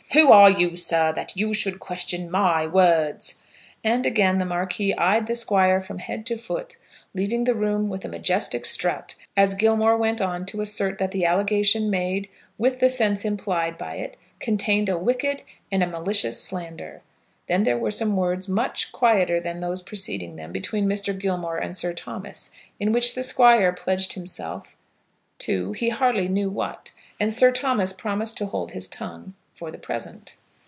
Who are you, sir, that you should question my words?" And again the Marquis eyed the Squire from head to foot, leaving the room with a majestic strut as Gilmore went on to assert that the allegation made, with the sense implied by it, contained a wicked and a malicious slander. Then there were some words, much quieter than those preceding them, between Mr. Gilmore and Sir Thomas, in which the Squire pledged himself to, he hardly knew what, and Sir Thomas promised to hold his tongue, for the present.